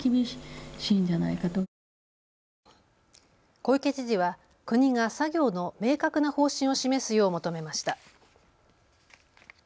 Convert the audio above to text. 小池知事は国が作業の明確な方針を示すよう求めました。